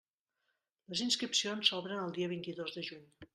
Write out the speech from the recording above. Les inscripcions s'obren el dia vint-i-dos de juny.